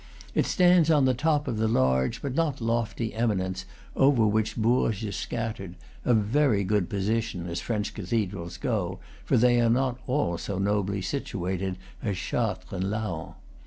It stands on the top of the large but not lofty eminence over which Bourges is scattered, a very good position, as French cathedrals go, for they are not all so nobly situated as Chartres and Laon.